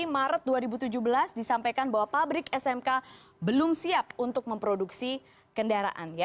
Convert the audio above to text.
maret dua ribu tujuh belas disampaikan bahwa pabrik smk belum siap untuk memproduksi kendaraan